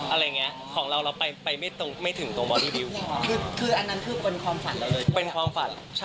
อะไรอย่างนี้ของเราเราไปไม่ถึงตรงบอดี้บิวต์